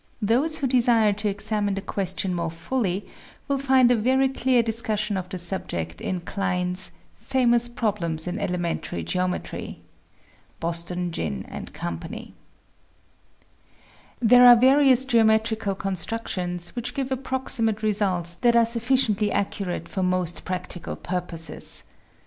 Those who desire to examine the question more fully, will find a very clear discussion of the subject in Klein's "Famous Problems in Elementary Geometry." (Boston, Ginn & Co.) There are various geometrical constructions which give approximate results that are sufficiently accurate for most 22 THE SEVEN FOLLIES OF SCIENCE practical purposes.